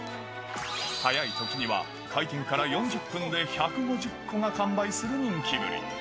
早いときには開店から４０分で１５０個が完売する人気ぶり。